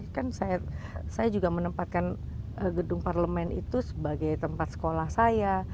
jadi kan saya juga menempatkan gedung parlemen itu sebagai tempat sekolah saya